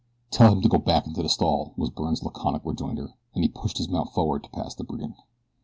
"Tell him to go back into his stall," was Byrne's laconic rejoinder, as he pushed his mount forward to pass the brigand.